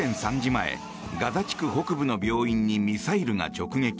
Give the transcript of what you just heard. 前ガザ地区北部の病院にミサイルが直撃。